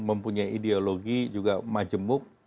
mempunyai ideologi juga majemuk